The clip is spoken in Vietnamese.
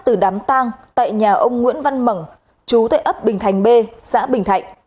từ đám tang tại nhà ông nguyễn văn mẩn chú tại ấp bình thành b xã bình thạnh